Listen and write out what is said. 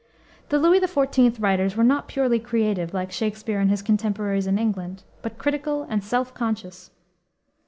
The Louis XIV. writers were not purely creative, like Shakspere and his contemporaries in England, but critical and self conscious.